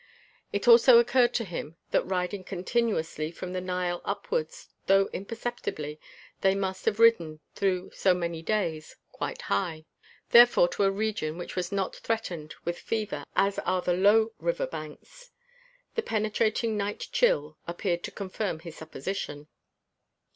It also occurred to him that riding continuously from the Nile upwards, though imperceptibly, they must have ridden, through so many days, quite high; therefore to a region which was not threatened with fever as are the low river banks. The penetrating night chill appeared to confirm this supposition.